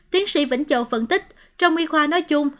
tiến sĩ vĩnh châu phân tích trong y khoa nói chung